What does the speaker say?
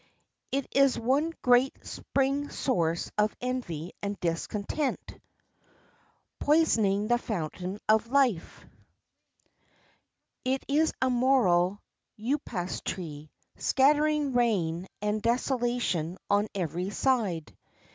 It is one great spring source of envy and discontent, poisoning the fountain of life; it is a moral Upas tree, scattering ruin and desolation on every side.